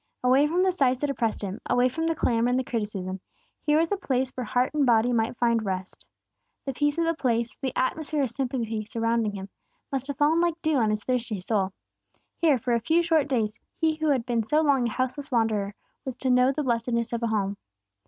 Away from the sights that oppressed Him, away from the clamor and the criticism, here was a place where heart and body might find rest. The peace of the place, and the atmosphere of sympathy surrounding Him, must have fallen like dew on His thirsty soul. Here, for a few short days, He who had been so long a houseless wanderer was to know the blessedness of a home.